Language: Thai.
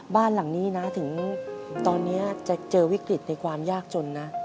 บ้านหลังนี้นะถึงตอนนี้จะเจอวิกฤตในความยากจนนะ